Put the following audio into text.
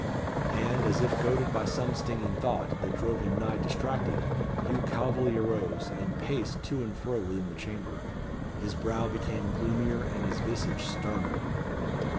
And as if goaded by some stinging thought, that drove him nigh distracted, Hugh Calveley arose, and paced to and fro within the chamber. His brow became gloomier and his visage sterner.